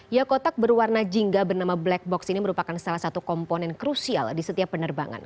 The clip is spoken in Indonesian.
ya kotak berwarna jingga bernama black box ini merupakan salah satu komponen krusial di setiap penerbangan